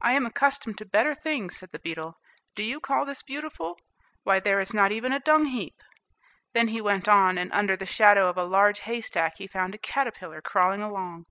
"I am accustomed to better things," said the beetle. "Do you call this beautiful? Why, there is not even a dung heap." Then he went on, and under the shadow of a large haystack he found a caterpillar crawling along.